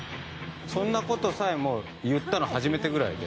そんな事さえも言ったの初めてぐらいで。